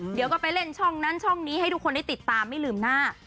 เดี๋ยวก็ไปเล่นช่องนั้นช่องนี้ให้ทุกคนได้ติดตามไม่ลืมหน้า